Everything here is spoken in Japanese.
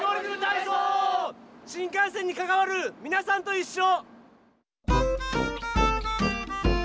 新幹線にかかわるみなさんといっしょ！